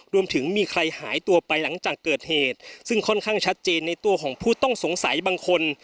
รวมถึงมีใครหายตัวไปหลังจากเกิดเหตุซึ่งค่อนข้างชัดเจนในตัวของผู้ต้องสงสัยบางคน